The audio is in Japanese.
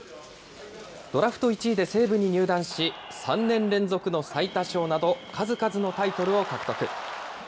ドラフト１位で西武に入団し、３年連続の最多勝など、数々のタイトルを獲得。